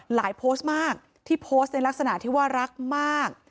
โพสต์มากที่โพสต์ในลักษณะที่ว่ารักมาก